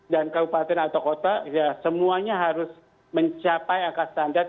dan kabupaten atau kota semuanya harus mencapai angka standar